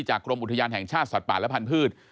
กรมอุทยานแห่งชาติสัตว์ป่าและพันธุ์